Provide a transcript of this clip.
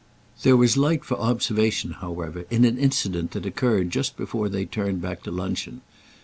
There was light for observation, however, in an incident that occurred just before they turned back to luncheon.